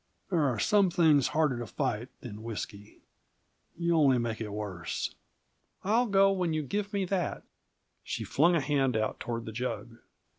"There are some things harder to fight than whisky. You only make it worse." "I'll go when you give me that." She flung a hand out toward the jug.